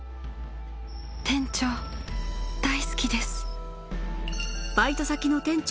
店長大好きです